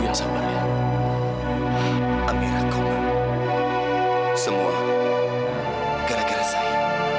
biar sabar amirahku semua gara gara saya